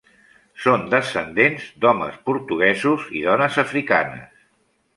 Són descendents d'homes portuguesos i dones africanes.